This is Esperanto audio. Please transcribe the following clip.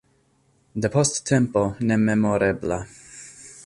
Depost tempo nememorebla.